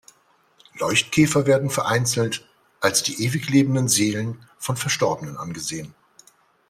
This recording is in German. Leuchtkäfer werden vereinzelt als die ewig lebenden Seelen von Verstorbenen angesehen.